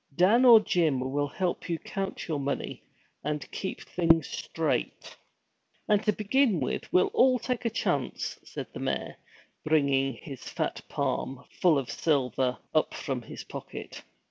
Dan or Jim will help you count your money, and keep things straight.' 'And to begin with, we'll all take a chance!' said the mayor, bringing his fat palm, full of silver, up from his pocket.